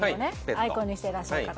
アイコンにしていらっしゃる方